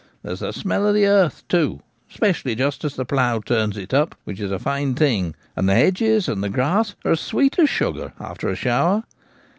There's the smell of the earth, too— 'specially just as the plough turns it 1 6 The Gamekeeper at Home. up — which is a fine thing; and the hedges and the grass are as sweet as sugar after a shower.